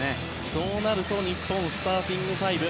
そうなると日本、スターティングファイブ